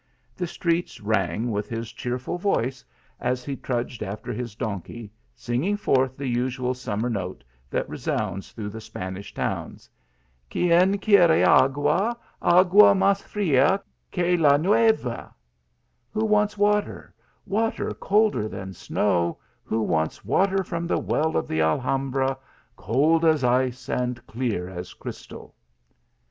The streets rang with his cheerful voice as he trudged after his donkey, singing forth the usual summer note that resounds through the Spanish towns :" guien qiiiere agita ~> THE MOOR S LEGACY. 101 agita mas fria que la nteve. Who wants water water colder than snow who wants, water from the well of the Alhambra cold as ice and clear as crys tal